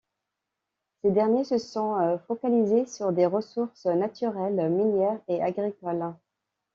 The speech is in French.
Ces derniers se sont focalisés sur des ressources naturelles, minières et agricoles.